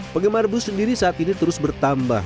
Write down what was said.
penggemar bus sendiri saat ini terus bertambah